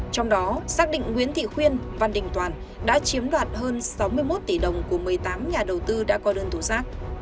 trong đó xác định nguyễn thị khuyên văn đình toàn đã chiếm đoạt hơn sáu mươi một tỷ đồng của một mươi tám nhà đầu tư đã qua đơn thủ xác